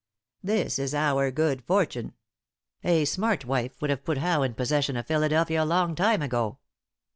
This is our good fortune. A smart wife would have put Howe in possession of Philadelphia a long time ago."